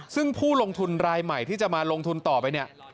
ซึ่งผู้ลงทุนรายใหม่ที่จะมาลงทุนต่อไปเนี่ย